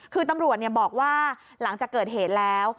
คือตำรวจบอกว่าหลังจากเกิดเหตุแล้ว